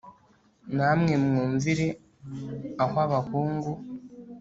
Na mwe mwumvire aho bahungu